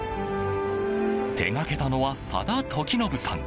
手がけたのは佐田時信さん。